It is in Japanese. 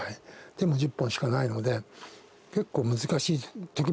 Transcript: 手も１０本しかないので結構難しい時もあるわけですね。